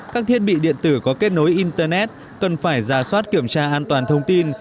các thiết bị điện tử có kết nối internet cần phải ra soát kiểm tra an toàn thông tin